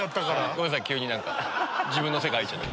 ごめんなさい急に自分の世界入っちゃって。